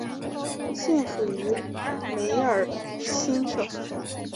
现属于梅尔辛省。